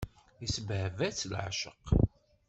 Isbehba-tt leεceq.